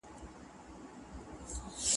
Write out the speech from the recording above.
چې یو خوږلن هم په کې تود لا نهوي